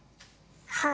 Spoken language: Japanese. はい。